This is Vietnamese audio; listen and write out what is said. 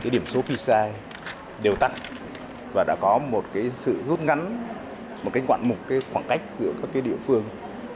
điểm số pce đều tăng và đã có một sự rút ngắn một khoảng cách giữa các địa phương